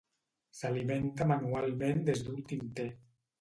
S'alimenta manualment des d'un tinter.